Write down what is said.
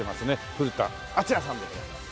古田敦也さんでございます。